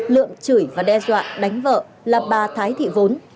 lượm chửi và đe dọa đánh vợ là bà thái thị vốn